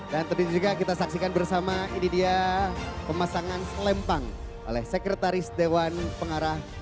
dan tentunya juga kita saksikan bersama ini dia pemasangan selempang oleh sekretaris dewan pengarah